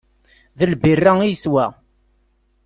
D lbira i yeswa.